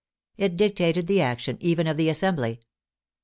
It dictated the action even of the Assembly.